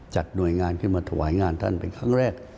หน่วยงานขึ้นมาถวายงานท่านเป็นครั้งแรก